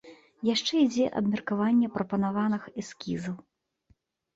Яшчэ ідзе абмеркаванне прапанаваных эскізаў.